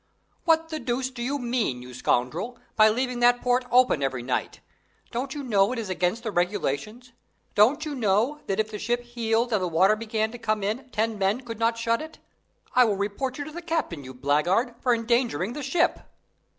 "What the deuce do you mean, you scoundrel, by leaving that port open every night? Don't you know it is against the regulations? Don't you know that if the ship heeled and the water began to come in, ten men could not shut it? I will report you to the captain, you blackguard, for endangering the ship!"